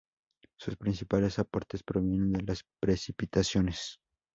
Sus principales aportes provienen de las precipitaciones.